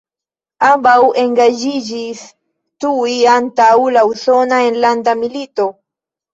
Ambaŭ engaĝiĝis tuj antaŭ la Usona Enlanda Milito.